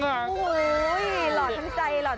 หันหล่อท้ายตัวกลาย